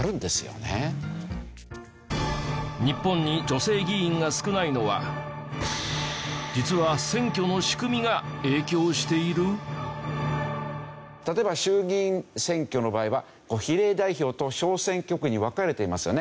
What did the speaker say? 日本に女性議員が少ないのは実は例えば衆議院選挙の場合は比例代表と小選挙区に分かれていますよね。